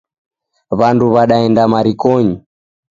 Wandu wadaenda marikonyi